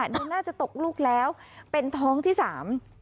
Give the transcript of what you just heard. ดูน่าจะตกลูกแล้วเป็นท้องที่สาม